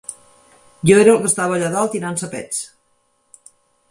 Jo era el que estava allà dalt tirant-se pets.